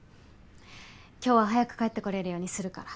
今日は早く帰ってこれるようにするから。